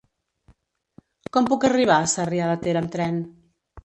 Com puc arribar a Sarrià de Ter amb tren?